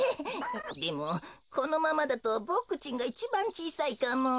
でもこのままだとボクちんがいちばんちいさいかも。